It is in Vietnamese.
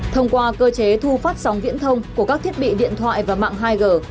thông qua cơ chế thu phát sóng viễn thông của các thiết bị điện thoại và mạng hai g